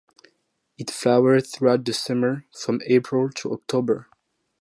It flowers throughout the summer, from April to October.